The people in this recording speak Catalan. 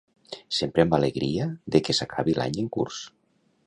Sempre amb alegria de que s'acabi l'any en curs.